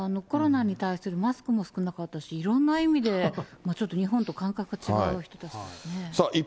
コロナに対するマスクも少なかったし、いろんな意味でちょっと日本と感覚が違う人たちですね。